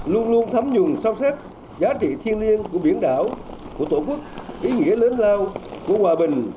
luôn luôn thấm nhùng sau sát giá trị thiên liêng của biển đảo của tổ quốc ý nghĩa lớn lao của hòa bình